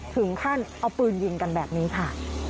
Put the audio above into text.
ถึงขั้นเอาปืนยิงกันแบบนี้ค่ะ